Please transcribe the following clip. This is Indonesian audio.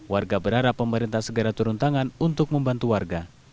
warga berharap pemerintah segera turun tangan untuk membantu warga